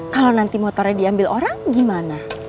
kalau nanti motornya diambil orang gimana